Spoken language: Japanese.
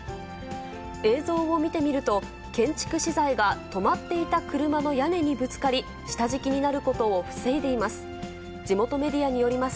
映像を見てみると、建築資材が止まっていた車の屋根にぶつかり、下敷きになることを防いでいます。